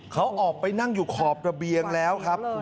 เขาออกไปนั่งอยู่ขอบระเบียงแล้วครับคุณผู้ชมด้วย